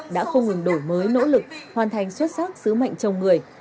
đã không ngừng đổi mới nỗ lực hoàn thành xuất sắc sứ mệnh chồng người